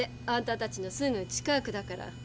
あんたたちのすぐ近くだから。